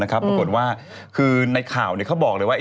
ปรากฏว่าคือในข่าวเขาบอกเลยว่า